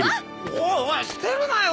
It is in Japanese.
おいおい捨てるなよ